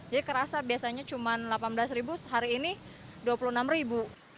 jadi kerasa biasanya cuma rp delapan belas hari ini rp dua puluh enam